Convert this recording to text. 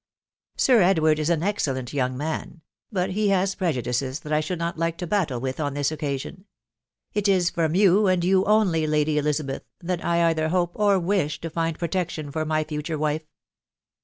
ffir Edward is an excellent young man, .... but he has ~preju65ces "£hat f should not Hfce to battle with on this occasion. It is from you, and you only, Lady Elizabeth, that I either hope or wish to find protection for my future wile.